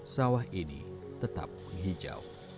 sawah ini tetap menghijau